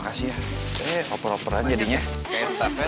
makasih ya eh oper oper aja di nya kayak staffet